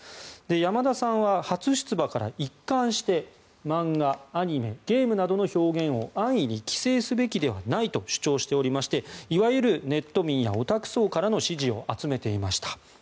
山田さんは初出馬から一貫して漫画、アニメ、ゲームなどの表現を安易に規制すべきではないと主張しておりましていわゆるネット民やオタク層からの支持を集めていました。